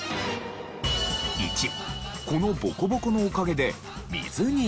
１このボコボコのおかげで水に浮く。